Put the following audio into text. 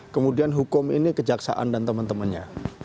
kemudian hukum ini kejaksaan dan teman temannya